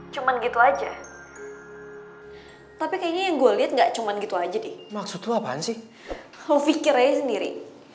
cuma gitu aja tapi kayaknya gue lihat nggak cuma gitu aja di maksud lu apaan sih lu pikir aja sendiri